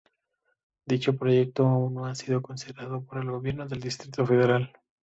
Dicho proyecto aún no ha sido considerado por el Gobierno del Distrito Federal.